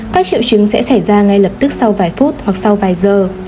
các triệu chứng sẽ xảy ra ngay lập tức sau vài phút hoặc sau vài giờ